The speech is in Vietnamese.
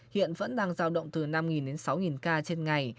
hiện vẫn đang giao động từ năm đến sáu ca trên ngày